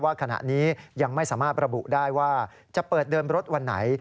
ขณะนี้ยังไม่สามารถระบุได้ว่าจะเปิดเดินรถวันไหน